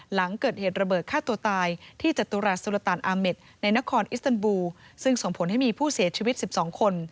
หลังเกิดเหตุระเบิดฆ่าตัวตายที่จตุรัสสุรตันอาเมดในนครอิสตันบูซึ่งส่งผลให้มีผู้เสียชีวิต๑๒คน